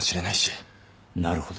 なるほど。